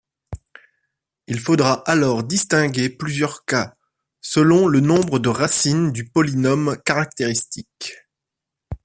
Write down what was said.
Il faudra alors distinguer plusieurs cas, selon le nombre de racines du polynôme caractéristique.